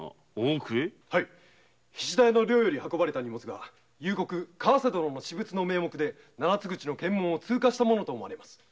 菱田屋の寮より運ばれた荷物が川瀬殿の私物の名目で検問を通過したものと思われます。